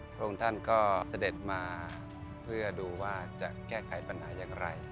พระองค์ท่านก็เสด็จมาเพื่อดูว่าจะแก้ไขปัญหาอย่างไร